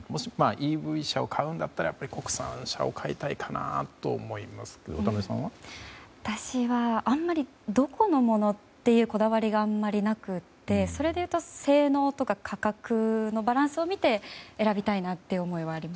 ＥＶ車を買うならやっぱり国産車を買いたいかなと思いますが私はどこのものというこだわりがあまりなくて性能とか価格のバランスを見て選びたいなという思いがあります。